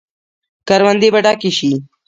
کروندې به ډکې شي.